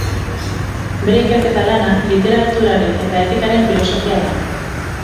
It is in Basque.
Bere ikerketa lana literaturaren eta etikaren filosofia da.